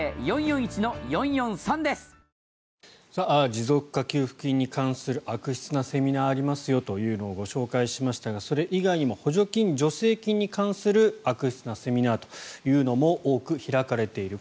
持続化給付金に関する悪質なセミナーがありますよというのをご紹介しましたがそれ以外にも補助金・助成金に関する悪質なセミナーというのも多く開かれている。